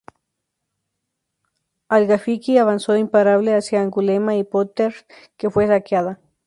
Al-Ghafiqí avanzó imparable hacia Angulema y Poitiers, que fue saqueada.